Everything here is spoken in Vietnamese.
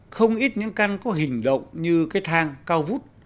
không ít những căn có hình động như cái thang cao vút